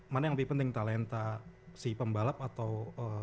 mana yang lebih penting talenta si pembalap atau